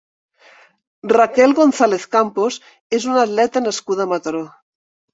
Raquel González Campos és una atleta nascuda a Mataró.